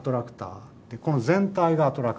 この全体がアトラクターですね。